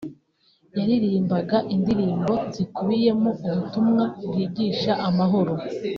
yaririmbaga indirimbo zikubiyemo ubutumwa bwigisha amahoro